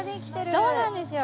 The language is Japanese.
そうなんですよ。